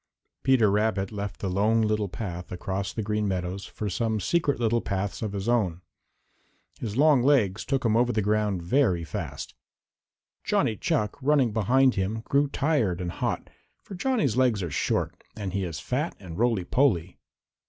Peter Rabbit left the Lone Little Path across the Green Meadows for some secret little paths of his own. His long legs took him over the ground very fast. Johnny Chuck, running behind him, grew tired and hot, for Johnny's legs are short and he is fat and roly poly.